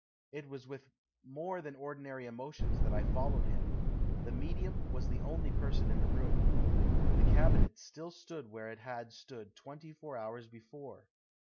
It was with more than ordinary emotions that I followed him. The medium was the only person in the room. The cabinet still stood where it had stood twenty four hours before.